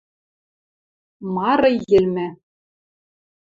Мары йӹлмӹ.